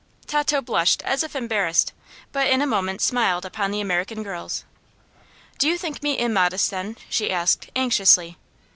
Tato blushed as if embarrassed, but in a moment smiled upon the American girls. "Do you think me immodest, then?" she asked, anxiously.